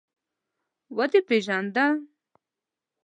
_ودې پېژانده؟